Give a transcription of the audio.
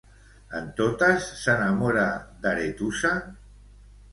En totes s'enamora d'Aretusa?